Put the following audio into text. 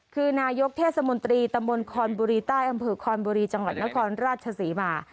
คือนายกเทศมนตรีตำบลคอนบุรีใต้อำเภอคอนบุรีจังหวัดนครราชศรีมา